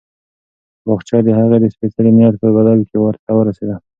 باغچه د هغه د سپېڅلي نیت په بدل کې ورته ورسېده.